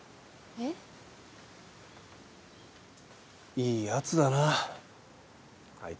いい奴だなあいつ。